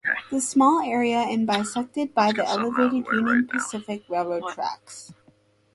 The small area is bisected by the elevated Union Pacific Railroad tracks.